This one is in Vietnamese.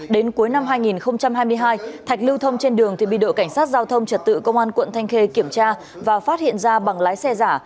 đến cuối năm hai nghìn hai mươi hai thạch lưu thông trên đường thì bị đội cảnh sát giao thông trật tự công an quận thanh khê kiểm tra và phát hiện ra bằng lái xe giả